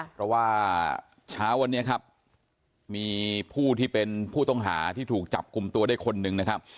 เพราะว่าเช้าวันนี้ครับมีผู้ที่เป็นผู้ต้องหาที่ถูกจับกลุ่มตัวได้คนหนึ่งนะครับ